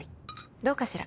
どうかしら？